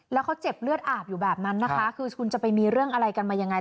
แล้วเขาเจ็บเลือดอาบอยู่แบบนั้นนะคะคือคุณจะไปมีเรื่องอะไรกันมายังไง